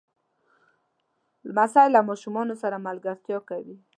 لمسی له ماشومانو سره ملګرتیا کوي.